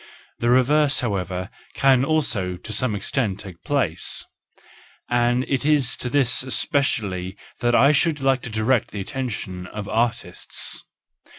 The reverse, however, can also to some extent take place,—and it is to this especially that I should like to direct the attention of artists.